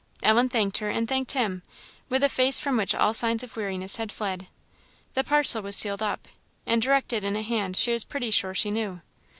Ellen thanked her, and thanked him, with a face from which all signs of weariness had fled away. The parcel was sealed up, and directed in a hand she was pretty sure she knew.